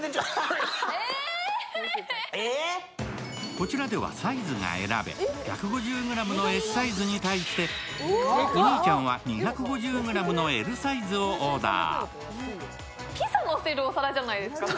こちらではサイズが選べ、１５０ｇのＳサイズに対してお兄ちゃんは２５０ｇのＬサイズをオーダー。